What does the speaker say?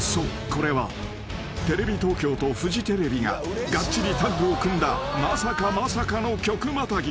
これはテレビ東京とフジテレビががっちりタッグを組んだまさかまさかの局またぎ］